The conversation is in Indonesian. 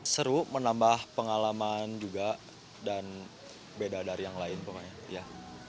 seru menambah pengalaman juga dan beda dari yang lain pokoknya